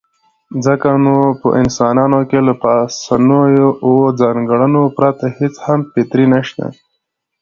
ځکه نو په انسانانو کې له پاسنيو اووو ځانګړنو پرته هېڅ هم فطري نشته.